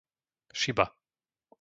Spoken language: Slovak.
Šiba